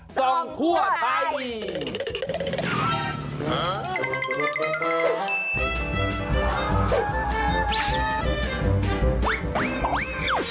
ส่องทั่วไทย